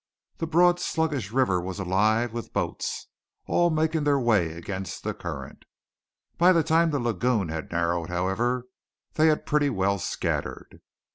The broad sluggish river was alive with boats, all making their way against the current. By the time the lagoon had narrowed, however, they had pretty well scattered.